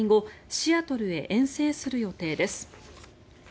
シアトルへ遠征する予定です。